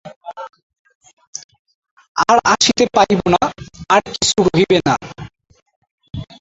আর আসিতে পাইব না, আর কিছু রহিবে না!